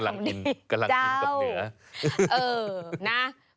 หลังอินกับเหนือ